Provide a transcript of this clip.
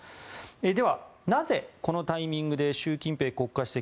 では、なぜこのタイミングで習近平国家主席